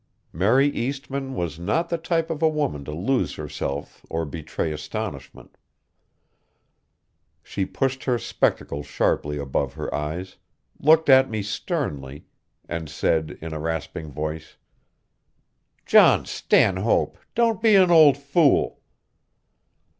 Mary Eastmann was not the type of woman to lose herself or betray astonishment. She pushed her spectacles sharply above her eyes, looked at me sternly, and said in a rasping voice. "John Stanhope, don't be an old fool."